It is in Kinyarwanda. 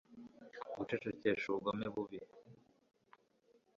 gucecekesha ubugome bubi